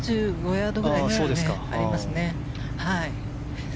３５ヤードぐらいありますね。